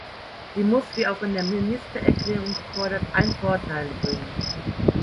Sie muss, wie auch in der Ministererklärung gefordert, allen Vorteile bringen.